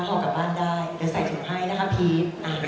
พอกลับบ้านได้เดี๋ยวใส่ถุงให้นะคะพีช